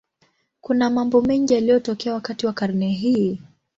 Kuna mambo mengi yaliyotokea wakati wa karne hii.